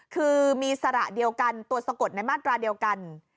คือมีสระเดียวกันตัวสะกดในมาตราเดียวกัน